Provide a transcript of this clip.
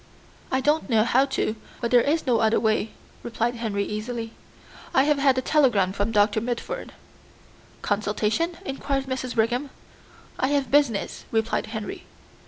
"I don't know how to, but there is no other way," replied Henry easily. "I have had a telegram from Dr. Mitford." "Consultation?" inquired Mrs. Brigham. "I have business," replied Henry.